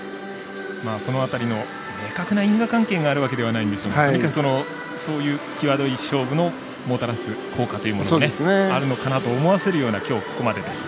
その辺りの明確な因果関係があるわけではないんでしょうが何か、そういう際どい勝負のもたらす効果というものもあるのかと思わせるような今日、ここまでです。